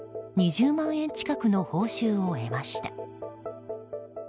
２０万円近くの報酬を得ました。